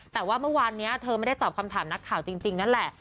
แต่ว่าเมื่อวานนี้เธอไม่ได้ตอบคำถามนักข่าวจริงนั่นแหละ